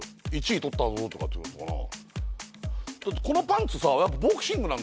「１位とったぞ」とかってことかな？